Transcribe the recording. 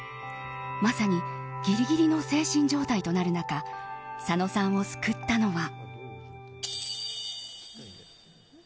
まさにギリギリの精神状態となる中佐野さんを救ったのは。